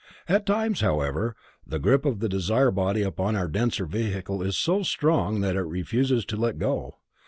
At times however, the grip of the desire body upon our denser vehicles is so strong that it refuses to let go.